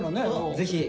ぜひ！